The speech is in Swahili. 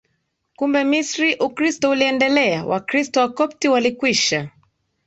Kumbe Misri Ukristo uliendelea Wakristo Wakopti walikwisha